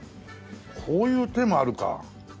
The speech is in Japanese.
こういう手もあるか。